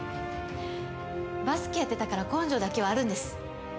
「バスケやってたから根性だけはあるんです」